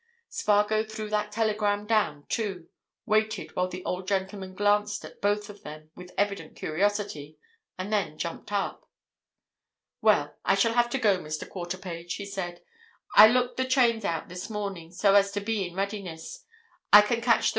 Spargo threw that telegram down, too, waited while the old gentleman glanced at both of them with evident curiosity, and then jumped up. "Well, I shall have to go, Mr. Quarterpage," he said. "I looked the trains out this morning so as to be in readiness. I can catch the 1.